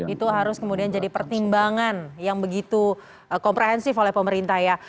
itu harus kemudian jadi pertimbangan yang begitu komprehensif oleh pemerintah ya